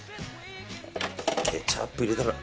ケチャップを入れたら。